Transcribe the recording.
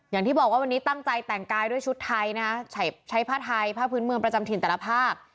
อย่างที่บอกว่าวันนี้ตั้งใจแต่งกายด้วยชุดไทยนะใช้ผ้าไทยผ้าพื้นเมืองประจำถิ่นแต่ละภาค